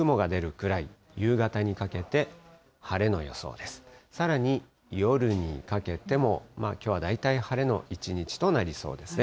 さらに夜にかけても、きょうは大体晴れの一日となりそうですね。